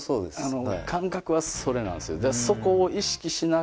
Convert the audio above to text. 感覚はそれなんすよ。